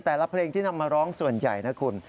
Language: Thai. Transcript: แต่ละเพลงที่นำมาร้องส่วนใหญ่นะคุณ